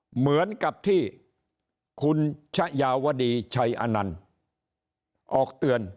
เหมือนกับที่คุณชะยาวดีชัยอนันต์ออกเตือน